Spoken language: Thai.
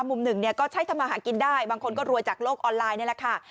มุมหนึ่งเนี่ยก็ใช้ทำอาหารกินได้บางคนก็รวยจากโลกออนไลน์นี่แหละค่ะ